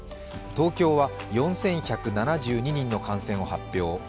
東京は４１７２人の感染を発表。